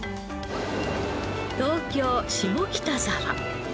東京下北沢。